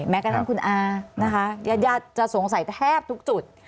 แม้กระทั่งคุณอานะคะญาติญาติจะสงสัยแทบทุกจุด